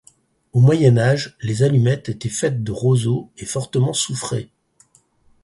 Au Moyen Âge, les allumettes étaient faites de roseau et fortement soufrées.